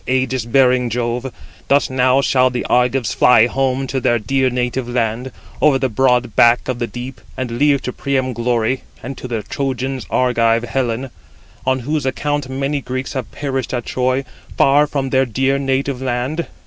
indomitable daughter of ægis bearing Jove, thus now shall the Argives fly home to their dear native land, over the broad back of the deep, and leave to Priam glory, and to the Trojans Argive Helen, on whose account many Greeks have perished at Troy, far from their dear native land?